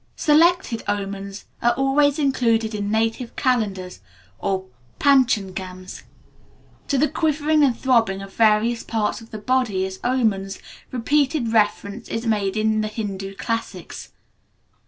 Selected omens are always included in native calendars or panchangams. To the quivering and throbbing of various parts of the body as omens, repeated reference is made in the Hindu classics.